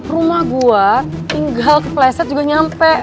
rumah gue tinggal kepleset juga nyampe